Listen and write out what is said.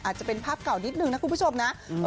อาจจะเป็นภาพเก่านิดนึงนะคุณผู้ชมนะ